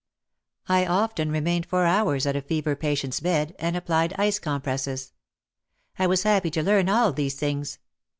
I often remained for hours at a fever patient's bed and applied ice compresses. I was happy to learn all these things.